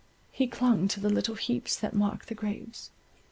He clung to the little heaps that marked the graves.